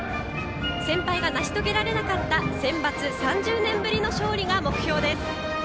先輩が成し遂げられなかったセンバツ、３０年ぶりの勝利が目標です。